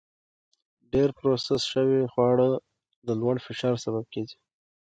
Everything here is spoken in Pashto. ډېر پروسس شوي خواړه د لوړ فشار سبب کېږي.